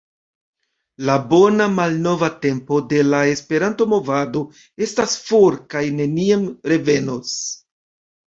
la “bona malnova tempo” de la Esperanto-movado estas for kaj neniam revenos.